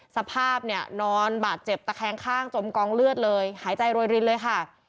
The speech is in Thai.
สภาพเนี่ยนอนบาดเจ็บตะแคงข้างจมกองเลือดเลยหายใจโรยรินเลยค่ะ